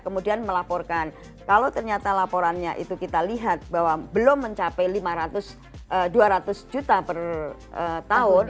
kemudian melaporkan kalau ternyata laporannya itu kita lihat bahwa belum mencapai dua ratus juta per tahun